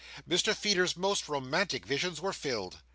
Mr Feeder's most romantic visions were fulfilled.